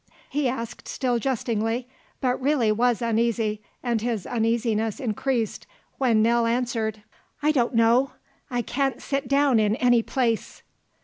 He asked still jestingly, but really was uneasy and his uneasiness increased when Nell answered: "I don't know. I can't sit down in any place."